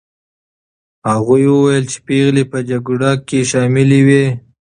هغوی وویل چې پېغلې په جګړه کې شاملي وې.